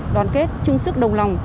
đoàn kết chung sức đồng lòng